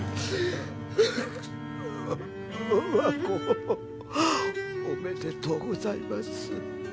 和子おめでとうございます。